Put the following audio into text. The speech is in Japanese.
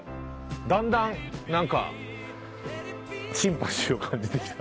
だんだんなんかシンパシーを感じてきた。